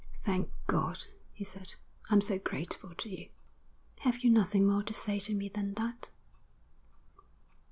'Thank God,' he said. 'I'm so grateful to you.' 'Have you nothing more to say to me than that?'